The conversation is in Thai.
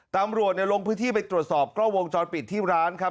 ตามรวดลงพื้นที่ไปตรดสอบก็วงจอดปิดที่ร้านครับ